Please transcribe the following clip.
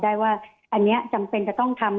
ได้ว่าอันนี้จำเป็นจะต้องทำ